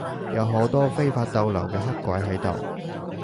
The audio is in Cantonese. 有好多非法逗留嘅黑鬼喺度